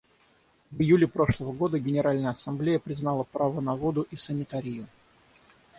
В июле прошлого года Генеральная Ассамблея признала право на воду и санитарию.